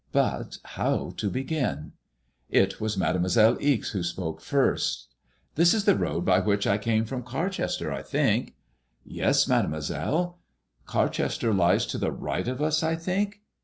But how to begin 7 It was Mademoiselle Ixe who spoke first. 139 MAI»110ISXLLX ^^ This is the road by which I came from Carchester, I think." '' Yes, MademoiseUe." ''Carchester lies to the right of OS, I think."